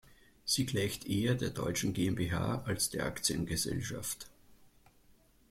Sie gleicht eher der deutschen GmbH als der Aktiengesellschaft.